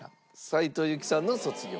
斉藤由貴さんの『卒業』。